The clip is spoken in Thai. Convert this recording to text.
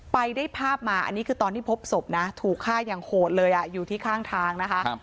ไปได้ภาพมาอันนี้คือตอนที่พบศพนะถูกฆ่าอย่างโหดเลยอยู่ที่ข้างทางนะคะ